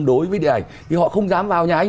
đối với điện ảnh thì họ không dám vào nhà anh